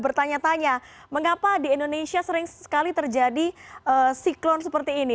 bertanya tanya mengapa di indonesia sering sekali terjadi siklon seperti ini